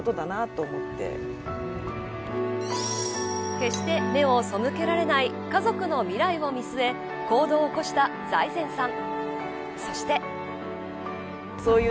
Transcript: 決して目を背けられない家族の未来を見据え行動を起こした財前さん。